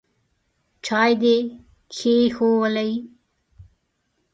چای دي کښېښوولې ؟